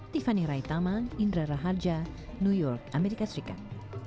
tiffany raitama indra raharja new york amerika serikat